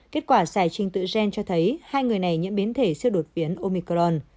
kết quả xài trình tự gen cho thấy hai người này nhận biến thể siêu đột biến omicron